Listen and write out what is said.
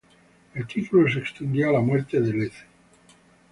El título se extinguió a la muerte de de Lacy.